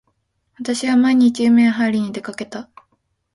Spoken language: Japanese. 私は毎日海へはいりに出掛けた。